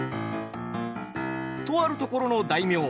とあるところの大名。